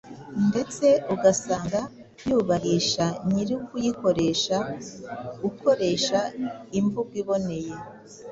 ndetse ugasanga yubahisha nyiri ukuyikoresha. Ukoresha imvugo iboneye,